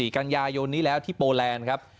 กันยายนนี้แล้วที่โปแลนด์ครับ